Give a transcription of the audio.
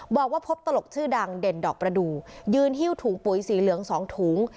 บอกว่าพบตลกชื่อดังเด่นดอกประดูกยืนหิ้วถุงปุ๋ยสีเหลือง๒ถุง